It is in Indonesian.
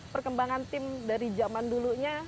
perkembangan tim dari zaman dulunya